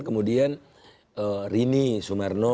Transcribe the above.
kemudian rini sumarno